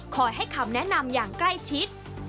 ให้คำแนะนำอย่างใกล้ชิด